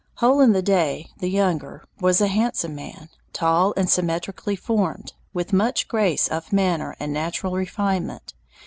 Hole in the Day the younger was a handsome man, tall and symmetrically formed, with much grace of manner and natural refinement.